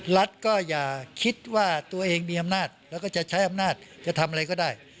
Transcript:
รัฐก็อย่าคิดว่าตัวเองมีอำนาจแล้วก็จะใช้อำนาจจะทำอะไรก็ได้